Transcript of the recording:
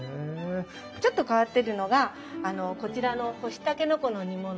ちょっと変わってるのがこちらの干しタケノコの煮物。